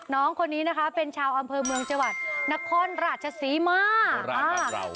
น้องคนนี้นะคะเป็นชาวอำเภอเมืองจังหวัดนครราชศรีมา